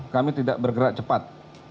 saya pernah lihat